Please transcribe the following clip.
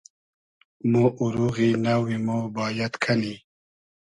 مۉ اوروغی نئوی مۉ بایئد کئنی